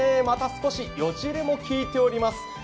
また、少しよじれもきいています。